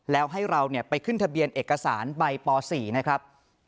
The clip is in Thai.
แล้วให้เราไปขึ้นทะเบียนเอกสารใบป๔นะครับ